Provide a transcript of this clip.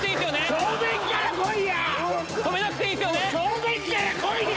正面から来いや！